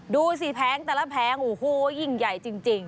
ดูสิแผงแต่ละแผงโอ้โหยิ่งใหญ่จริง